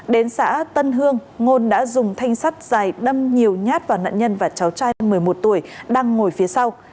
đến xã tân hương ngôn đã dùng thanh sắt dài đâm nhiều nhát vào nạn nhân và cháu trai một mươi một tuổi đang ngồi phía sau